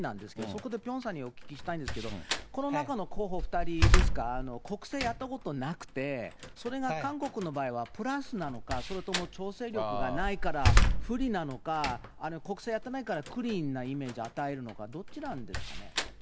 そういうシナリオが好きなんですけど、そこでピョンさんにお聞きしたいんですけど、この中の候補２人ですか、国政やったことなくて、それが韓国の場合はプラスなのか、それとも調整力がないから、不利なのか、国政やってないから、クリーンなイメージ与えるのか、どっちなんですかね。